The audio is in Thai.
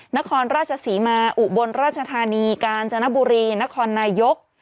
นครราชศรีมาอุบลราชธานีกาญจนบุรีนครนายก